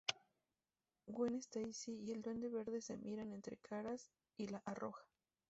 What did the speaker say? Gwen Stacy y el Duende Verde se miran entre caras y la arroja.